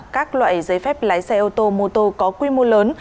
các loại giấy phép lái xe ô tô mô tô có quy mô lớn